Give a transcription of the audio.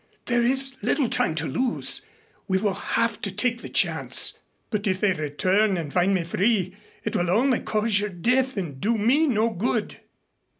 There is little time to lose. We will have to take the chance." "But if they return and find me free it will only cause your death and do me no good."